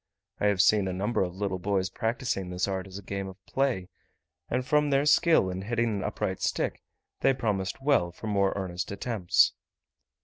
I have seen a number of little boys practising this art as a game of play and from their skill in hitting an upright stick, they promised well for more earnest attempts.